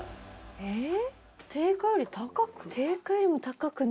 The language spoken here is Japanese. えっ？